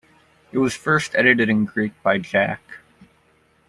It was first edited in Greek by Jac.